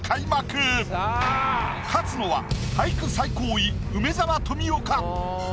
勝つのは俳句最高位梅沢富美男か？